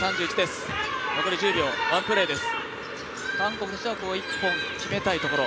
韓国としては１本決めたいところ。